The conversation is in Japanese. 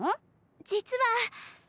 実は。